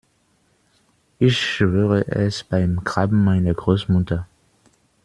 Ich schwöre es beim Grab meiner Großmutter.